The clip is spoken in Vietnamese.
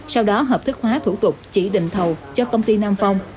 sau đó hợp thức hóa thủ tục chỉ định thầu cho công ty nam phong